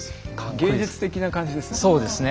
芸術的な感じですよね。